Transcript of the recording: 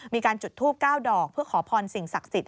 มีการจุดทูบ๙ดอกเพื่อขอพรสิ่งศักดิ์สิทธิ